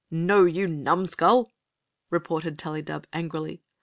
"No, you numskull!" retorted Tullydub, angrily.